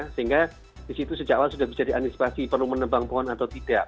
sehingga disitu sejak awal sudah bisa diantisipasi perlu menebang pohon atau tidak